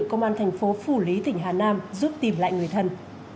công an thành phố phủ lý tỉnh hà nam giúp tìm lại người thân